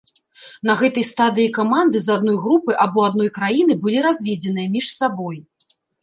На гэтай стадыі каманды з адной групы або адной краіны былі разведзеныя між сабой.